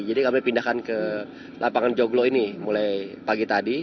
jadi kami pindahkan ke lapangan joglo ini mulai pagi tadi